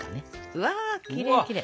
うわきれいきれい！